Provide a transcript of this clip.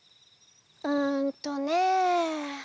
うんとね。